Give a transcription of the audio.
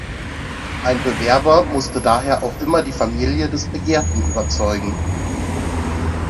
Ein Bewerber musste daher auch immer die Familie des Begehrten überzeugen.